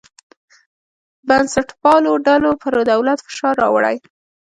بنسټپالو ډلو پر دولت فشار راوړی.